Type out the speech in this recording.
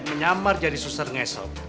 menyamar jadi susah ngesel